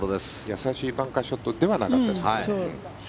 易しいバンカーショットではなかったですね。